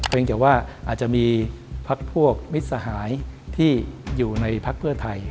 เป็นแต่ว่าอาจจะมีพักพวกมิตรสหายที่อยู่ในพักเพื่อไทย